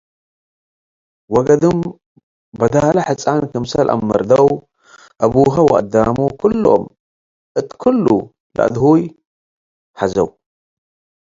ወገድም በዳለ ሕጻን ክምሰል አመርደው አቡሁ ወአዳሙ ክሎም እት ክሉ ለአድሁይ ሐዘዉ።